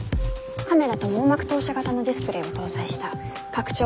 カメラと網膜投射型のディスプレーを搭載した拡張